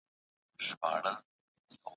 پوهان د ودي لپاره نوي لاري لټوي.